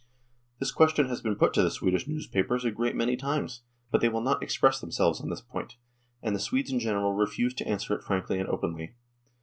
This question has been put to the Swedish newspapers a great many times, but they will not express themselves on this point, and the Swedes in general refuse to answer it frankly and openly.